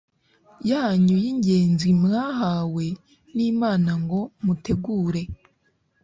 yanyu yingenzi mwahawe nImana ngo mutegure